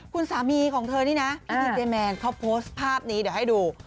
คุณสามีของเธอนี่นะพี่ดีเจแมนเขาโพสต์ภาพนี้เดี๋ยวให้ดู